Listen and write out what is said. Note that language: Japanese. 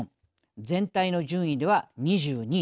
全体の順位では２２位。